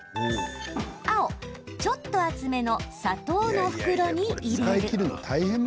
青・ちょっと厚めの砂糖の袋に入れる。